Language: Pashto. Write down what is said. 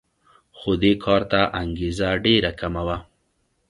خو دې کار ته انګېزه ډېره کمه وه